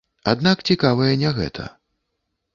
Аднак цікавае не гэта.